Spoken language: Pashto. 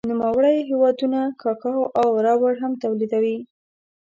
نوموړی هېوادونه کاکاو او ربړ هم تولیدوي.